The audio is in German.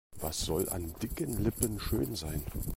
Was soll an dicken Lippen schön sein?